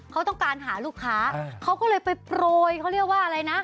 เขาต้องการหาลูกค้าเขาก็เลยไปโปรยเขาเรียกว่าอะไรนะ